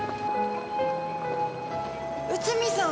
内海さん！